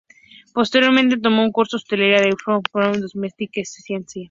Posteriormente tomó un curso de hostelería en el Bath College of Domestic Science.